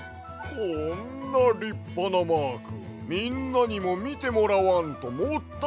こんなりっぱなマークみんなにもみてもらわんともったいないわ！